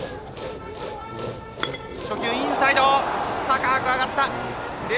初球インサイド、高く上がった。